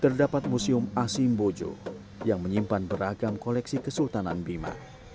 terdapat museum asimbojo yang menyimpan beragam koleksi kesultanan bima